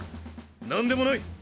何でもない。